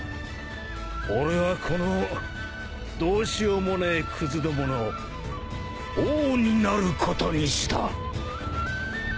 俺はこのどうしようもねえくずどもの王になることにした。